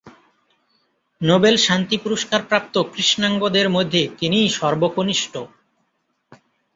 Nobel শান্তি পুরস্কারপ্রাপ্ত কৃষ্ণাঙ্গদের মধ্যে তিনিই সর্বকনিষ্ঠ।